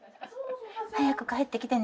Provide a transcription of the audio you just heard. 早く帰ってきてね。